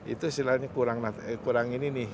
itu istilahnya kurang ini nih